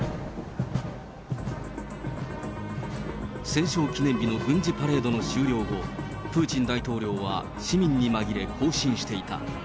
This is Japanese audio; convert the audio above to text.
戦勝記念日の軍事パレードの終了後、プーチン大統領は市民に紛れ、行進していた。